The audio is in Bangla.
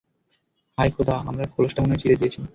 হায় খোদা, আমরা খোলসটা মনে হয় চিড়ে দিয়েছি!